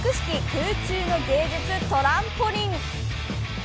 空中の芸術、トランポリン。